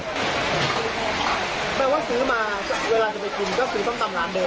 กลับมาถึงตอนนั้นกินกับลูกเถอะ